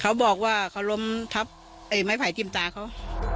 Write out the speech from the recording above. เขาบอกว่าเขาล้มทับไอ้ไม้ไผ่จิ้มตาเขา